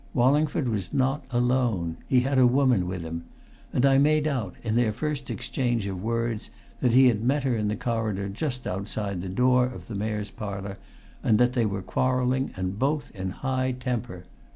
Wallingford was not alone. He had a woman with him. And I made out, in their first exchange of words, that he had met her in the corridor just outside the door of the Mayor's Parlour and that they were quarrelling and both in high temper.